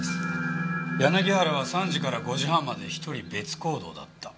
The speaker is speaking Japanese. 柳原は３時から５時半まで１人別行動だった。